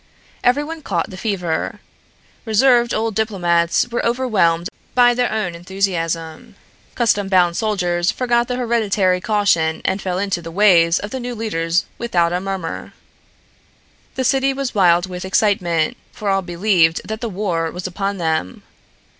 Everyone caught the fever. Reserved old diplomats were overwhelmed by their own enthusiasm; custom bound soldiers forgot the hereditary caution and fell into the ways of the new leaders without a murmur. The city was wild with excitement, for all believed that the war was upon them.